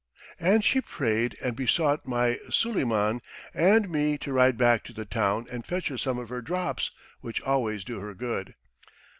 And she prayed and besought my Suleiman and me to ride back to the town and fetch her some of her drops which always do her good."